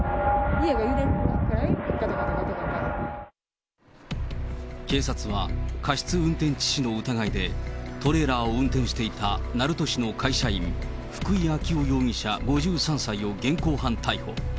家が揺れるくらい、警察は、過失運転致死の疑いで、トレーラーを運転していた鳴門市の会社員、福井暁生容疑者５３歳を現行犯逮捕。